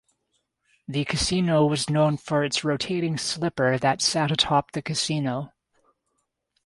The casino was known for its rotating slipper that sat atop the casino.